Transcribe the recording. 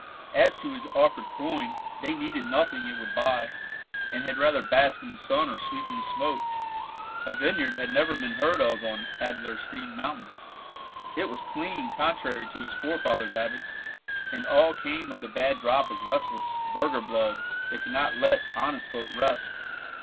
As to his offered coin, they needed nothing it would buy, and had rather bask in the sun or sleep in the smoke. A vineyard had never been heard of on Adlerstein mountain: it was clean contrary to his forefathers' habits; and all came of the bad drop of restless burgher blood, that could not let honest folk rest.